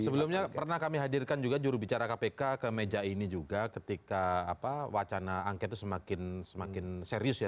sebelumnya pernah kami hadirkan juga jurubicara kpk ke meja ini juga ketika wacana angket itu semakin serius ya